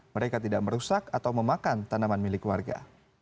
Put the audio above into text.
mereka tidak merusak atau memakan tanaman milik warga